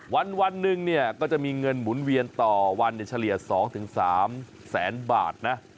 วันนี้ก็จะมีเงื่อนหมุนเวียนต่อวันเนี่ยเฉลี่ย๒๓แสนบาทนะ